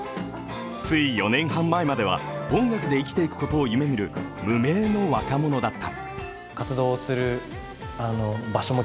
つい４年半前までは、音楽で生きていくことを夢見る無名の若者だった。